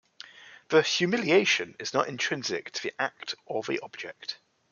The "humiliation" is not intrinsic to the act or the object.